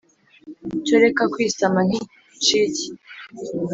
cyo reka kwisama nk' incike